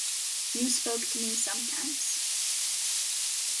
You spoke to me sometimes.